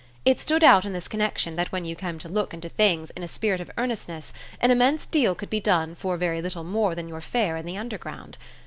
It stood out in this connexion that when you came to look into things in a spirit of earnestness an immense deal could be done for very little more than your fare in the Underground.